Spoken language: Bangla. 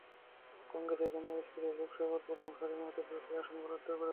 কংগ্রেসের জন্য স্পিকার লোকসভার প্রথম সারির মাত্র দুটি আসন বরাদ্দ করেছেন।